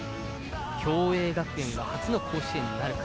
共栄学園は初の甲子園になるか。